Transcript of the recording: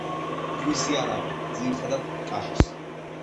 ქვის იარაღი, ძირითადად, კაჟის.